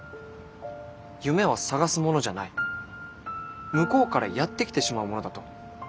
夢は探すものじゃない向こうからやって来てしまうものだと。